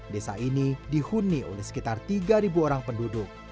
desa ini dihuni oleh sekitar tiga orang penduduk